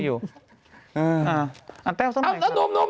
เอาแป้วส้นใหม่ครับ